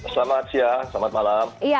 selamat siang selamat malam